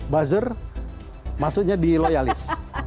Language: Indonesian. buzzer masuknya di loyalis